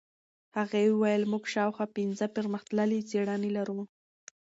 هغې وویل موږ شاوخوا پنځه پرمختللې څېړنې لرو.